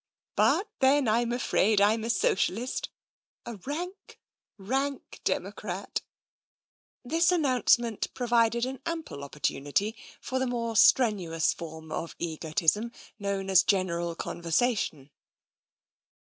But then Fm afraid I'm a socialist — a rank, rank democrat." The announcement provided ample opportunity for the more strenuous form of egotism known as Gen eral Conversation.